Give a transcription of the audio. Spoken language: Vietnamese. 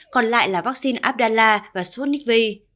còn lại là vắc xin abdala và sputnik v